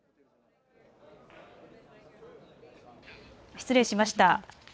失礼しました。